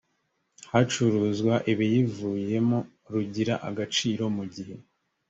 hacuruzwa ibiyivuyemo rugira agaciro mu gihe